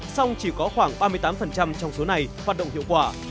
song chỉ có khoảng ba mươi tám trong số này hoạt động hiệu quả